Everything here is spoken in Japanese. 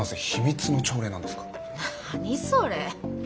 何それ。